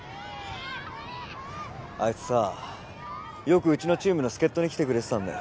あいつさよくうちのチームの助っ人に来てくれてたんだよ